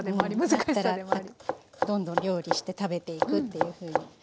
だったらどんどん料理して食べていくっていうふうに。